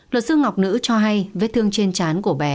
luật sư ngọc nữ cho hay vết thương trên chán của bé